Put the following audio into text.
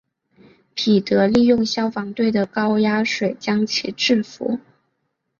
彼得利用消防队的高压水将其制伏。